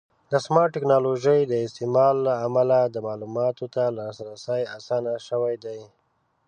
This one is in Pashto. د سمارټ ټکنالوژۍ د استعمال له امله د معلوماتو ته لاسرسی اسانه شوی دی.